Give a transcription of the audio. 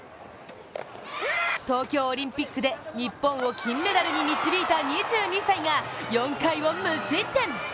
東京オリンピックで日本を金メダルに導いた２２歳が４回を無失点。